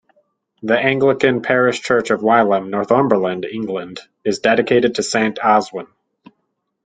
The Anglican Parish Church of Wylam, Northumberland, England is dedicated to Saint Oswin.